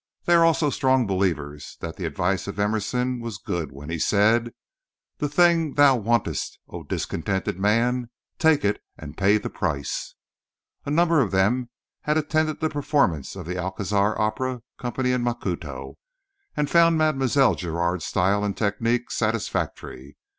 They are also strong believers that the advice of Emerson was good when he said: "The thing thou wantest, O discontented man —take it, and pay the price." A number of them had attended the performance of the Alcazar Opera Company in Macuto, and found Mlle. Giraud's style and technique satisfactory.